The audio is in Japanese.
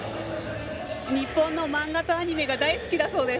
日本の漫画とアニメが大好きだそうです。